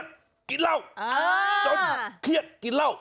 จนเครียดกินเหล้า